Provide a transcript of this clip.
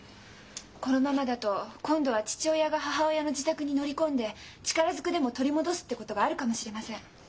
このままだと今度は父親が母親の自宅に乗り込んで力ずくでも取り戻すってことがあるかもしれません。